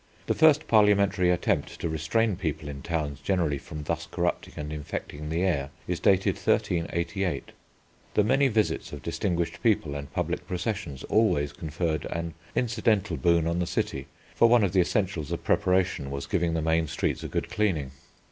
The first parliamentary attempt to restrain people in towns generally from thus corrupting and infecting the air is dated 1388. The many visits of distinguished people and public processions always conferred an incidental boon on the city, for one of the essentials of preparation was giving the main streets a good cleaning.